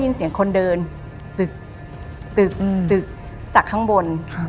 เหมือนคนเดินตึกตึกตึกจากข้างบน